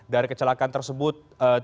dari kecelakaan tersebut